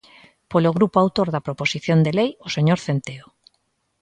Polo grupo autor da proposición de lei, o señor Centeo.